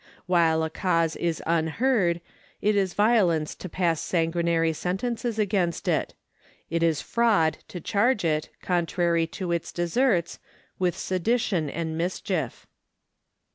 While a cause is unheard, it is violence to pass sanguinary sentences against it; it is fraud to charge it, contrary to its deserts, with sedition and mischief.